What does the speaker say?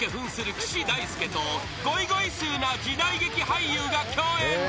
岸大介とゴイゴイスーな時代劇俳優が共演］